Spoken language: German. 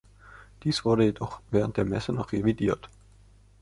Dies wurde jedoch noch während der Messe wieder revidiert.